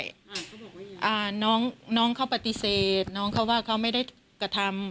อ่าเขาบอกว่าอ่าน้องน้องเขาปฏิเสธน้องเขาว่าเขาไม่ได้กระทำ